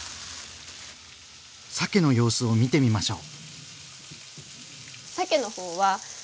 さけの様子を見てみましょう。